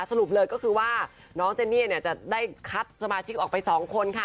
สรุปเลยก็คือว่าน้องเจนี่จะได้คัดสมาชิกออกไป๒คนค่ะ